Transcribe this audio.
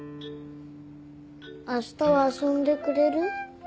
あしたは遊んでくれる？